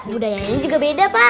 budaya ini juga beda pak